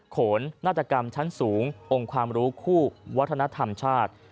โขนนาฏกรรมชั้นสูงองค์ความรู้คู่วัฒนธรรมชาติ